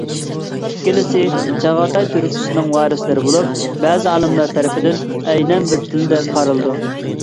ئىككىلىسى چاغاتاي تۈركچىسىنىڭ ۋارىسلىرى بولۇپ، بەزى ئالىملار تەرىپىدىن ئەينەن بىر تىل دەپ قارىلىدۇ.